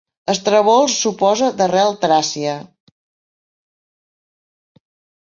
Estrabó els suposa d'arrel tràcia.